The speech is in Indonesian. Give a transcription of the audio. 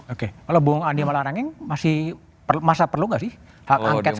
oke kalau bung andi malarangin masih masa perlu gak sih hak angket sekarang ini